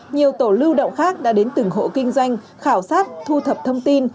nhiều tổ lưu động khác đã đến từng hộ kinh doanh khảo sát thu thập thông tin